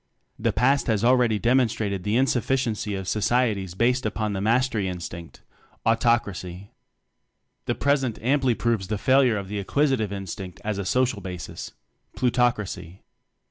The past has already demonstrated the insufficiency of so cieties based upon the Mastery In stinct Autocracy. The present amply 4 TECHNOCRACY nrovcs the failure of the Acquisitive Instinct as a social basis Plutocracy.